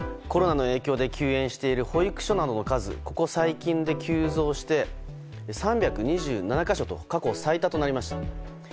コロナの影響で休園している保育所などの数、ここ最近で急増して３２７か所と過去最多となりました。